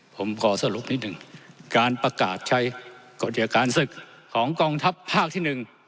ผมขอสรุปนิดหนึ่งการประกาศใช้กฎเกียรการศึกของกองทัพภาคที่หนึ่ง